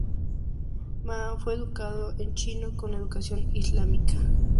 Ma fue educado en chino con educación islámica.